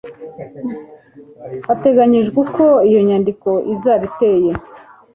Hateganyijwe uko iyo nyandiko izaba iteye,